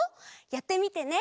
やってみてね。